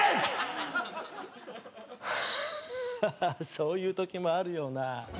そういうときもあるよな。